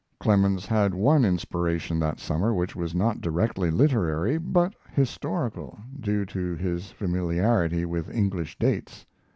Clemens had one inspiration that summer which was not directly literary, but historical, due to his familiarity with English dates.